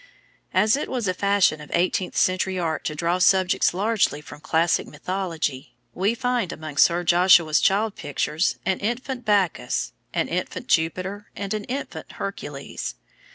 As it was a fashion of eighteenth century art to draw subjects largely from classic mythology, we find among Sir Joshua's child pictures an Infant Bacchus, an Infant Jupiter, and an Infant Hercules.